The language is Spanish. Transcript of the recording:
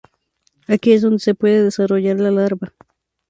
Aquí es donde se puede desarrollar la larva.